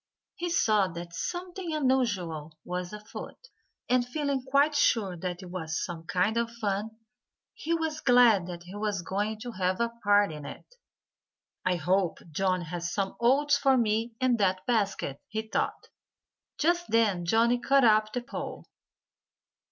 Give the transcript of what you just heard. He saw that something unusual was afoot. And feeling quite sure that it was some kind of fun, he was glad that he was going to have a part in it. "I hope Johnnie has some oats for me in that basket," he thought. Just then Johnnie caught up the pole.